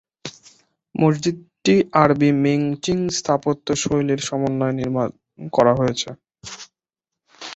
মসজিদটি আরবি, Ming, Ching স্থাপত্য শৈলীর সমন্বয়ে নির্মাণ করা হয়েছে।